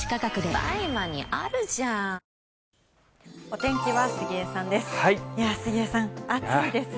お天気は杉江さんです。